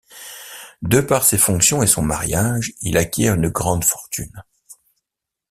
De par ses fonctions et son mariage, il acquiert une grande fortune.